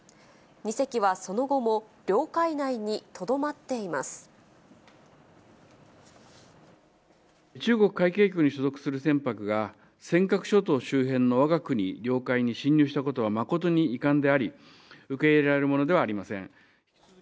２隻はその後も、中国海警局に所属する船舶が、尖閣諸島周辺のわが国領海に侵入したことは誠に遺憾であり、受け入れられるものではありません。